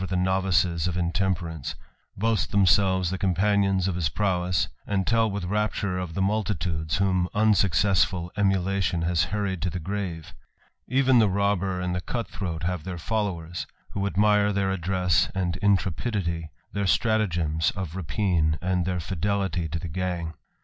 1ie novices of intemperance, boast themselves the companioxis of his prowess, and tell with rapture of the multitudes whom unsuccessful emulation has hurried to the grave : even ^le robber and the cut throat have their followers, who admire their address and intrepidity, their stratagems of rapine, and their fidelity to the gang.